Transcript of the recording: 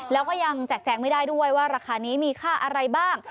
แล้วก็ยังแจกแจงไม่ได้ด้วยว่าราคานี้มีค่าอะไรบ้าง